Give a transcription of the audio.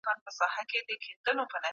د مجلس اصول څه دي؟